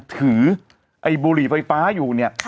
ไอ้บุหรี่ไฟฟ้าอยู่เนี่ย